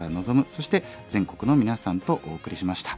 そして全国の皆さんとお送りしました。